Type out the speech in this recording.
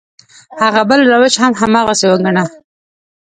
هغه بل روش هم هماغسې وګڼه.